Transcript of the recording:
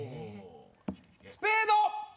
スペード！